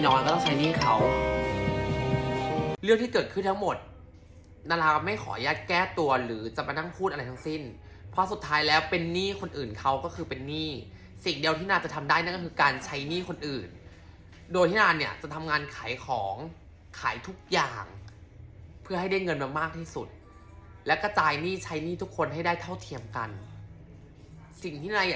ก็ต้องใช้หนี้เขาเรื่องที่เกิดขึ้นทั้งหมดนาราก็ไม่ขออนุญาตแก้ตัวหรือจะมานั่งพูดอะไรทั้งสิ้นเพราะสุดท้ายแล้วเป็นหนี้คนอื่นเขาก็คือเป็นหนี้สิ่งเดียวที่นานจะทำได้นั่นก็คือการใช้หนี้คนอื่นโดยที่นานเนี่ยจะทำงานขายของขายทุกอย่างเพื่อให้ได้เงินมามากที่สุดและกระจายหนี้ใช้หนี้ทุกคนให้ได้เท่าเทียมกันสิ่งที่นายอ